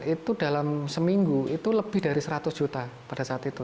itu dalam seminggu itu lebih dari seratus juta pada saat itu